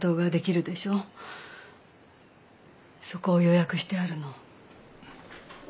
そこを予約してあるの。